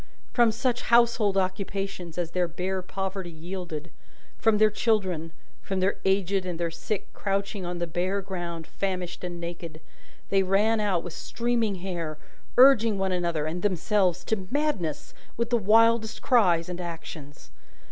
From such household occupations as their bare poverty yielded, from their children, from their aged and their sick crouching on the bare ground famished and naked, they ran out with streaming hair, urging one another, and themselves, to madness with the wildest cries and actions.